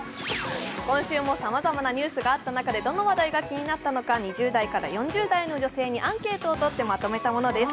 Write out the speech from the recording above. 今週もさまざまなニュースがあった中で、どの話題が気になったのか２０代から４０代の女性にアンケートをとってまとめたものです。